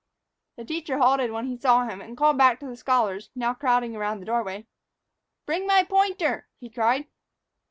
The teacher halted when he saw him and called back to the scholars, now crowding about the door. "Bring my pointer," he cried.